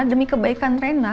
demi kebaikan rena